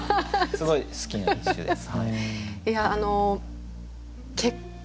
すごい好きな一首です。